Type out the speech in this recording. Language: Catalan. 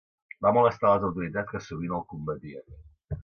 Va molestar a les autoritats que sovint el combatien.